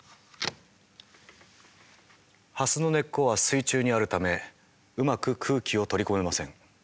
ハスの根っこは水中にあるためうまく空気を取り込めません。